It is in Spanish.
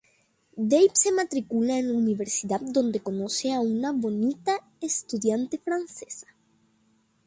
Dave se matricula en la universidad, donde conoce a un bonita estudiante Francesa.